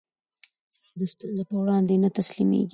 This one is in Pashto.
سړی د ستونزو پر وړاندې نه تسلیمېږي